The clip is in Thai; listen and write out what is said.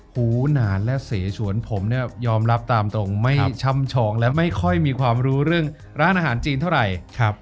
หูหนานและเสฉวนผมเนี่ยยอมรับตามตรงไม่ช่ำชองและไม่ค่อยมีความรู้เรื่องร้านอาหารจีนเท่าไหร่